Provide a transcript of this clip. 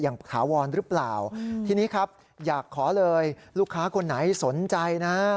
ถาวรหรือเปล่าทีนี้ครับอยากขอเลยลูกค้าคนไหนสนใจนะ